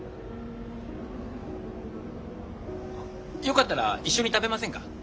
よかったら一緒に食べませんか？